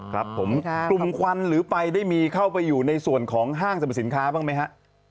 ครับผมกลุ่มควันหรือไฟได้มีเข้าไปอยู่ในส่วนของห้างสรรพสินค้าบ้างไหมฮะ